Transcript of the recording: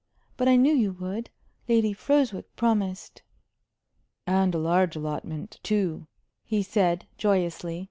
But I knew you would. Lady Froswick promised." "And a large allotment, too," he said, joyously.